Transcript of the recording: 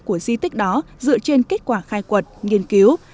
của di tích đó dựa trên kết quả khai quật nghiên cứu